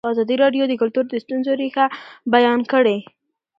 ازادي راډیو د کلتور د ستونزو رېښه بیان کړې.